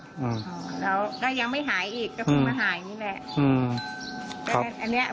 แล้วก็ยังไม่หายอีกก็เพิ่งมาหายนี่แหละ